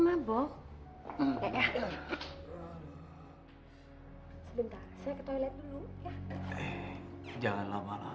masih berharap sih